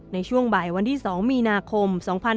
ในช่วงบ่ายวันที่๒มีนาคม๒๕๖๒